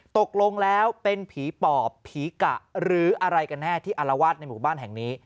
ตกลงแล้วเป็นผีปอบผีกะหรืออะไรกันแน่ที่อารวาสในหมู่บ้านแห่งนี้